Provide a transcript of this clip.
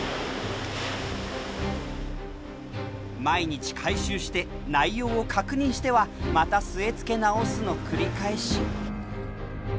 毎日回収して内容を確認してはまた据え付け直すの繰り返し。